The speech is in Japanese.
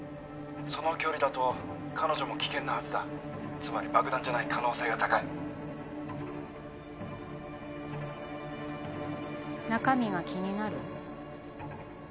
その距離だと彼女も危険なはずだつまり爆弾じゃない可能性が高い中身が気になる？